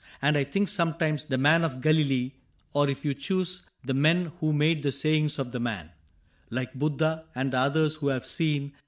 And I think sometimes The man of Galilee (or, if you choose. The men who made the sayings of the man) Like Buddha, and the others who have seen.